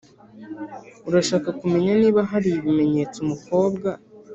urashaka kumenya niba hari ibimenyetso umukobwa